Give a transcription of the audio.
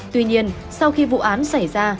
tuy nhiên sau khi vụ án xảy ra